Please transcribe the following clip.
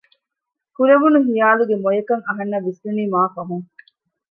ކުރެވުނު ހިޔާލުގެ މޮޔަކަން އަހަންނަށް ވިސްނުނީ މާ ފަހުން